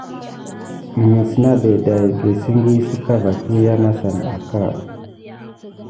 Mis nebet day game kisigué sika va tuyani akamasan aka.